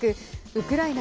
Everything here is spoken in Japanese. ウクライナ